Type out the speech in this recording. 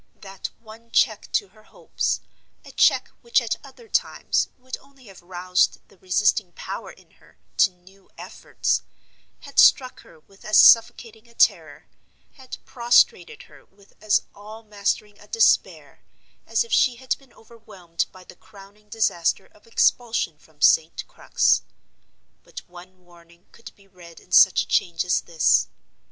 That one check to her hopes—a check which at other times would only have roused the resisting power in her to new efforts—had struck her with as suffocating a terror, had prostrated her with as all mastering a despair, as if she had been overwhelmed by the crowning disaster of expulsion from St. Crux. But one warning could be read in such a change as this.